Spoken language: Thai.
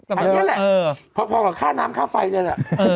อันเนี่ยแหละพอข้าน้ำข้าวไฟเงียดแหละ